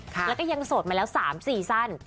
แล้วก็ยังโสดมาแล้ว๓ซีซั่น